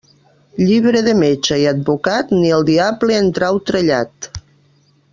Llibre de metge i advocat, ni el diable en trau trellat.